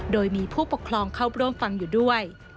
โดยมีผู้ปกครองเข้าร่วมฟังอยู่ด้วย